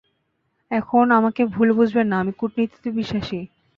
এখন, আমাকে ভুল বুঝবেন না, আমি কূটনীতিতে বিশ্বাসী।